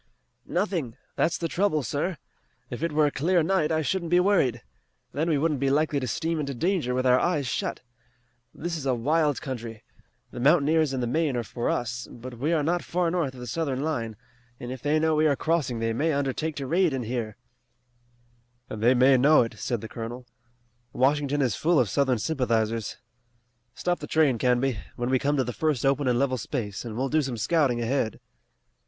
"Nothing. That's the trouble, sir. If it were a clear night I shouldn't be worried. Then we wouldn't be likely to steam into danger with our eyes shut. This is a wild country. The mountaineers in the main are for us, but we are not far north of the Southern line, and if they know we are crossing they may undertake to raid in here." "And they may know it," said the colonel. "Washington is full of Southern sympathizers. Stop the train, Canby, when we come to the first open and level space, and we'll do some scouting ahead."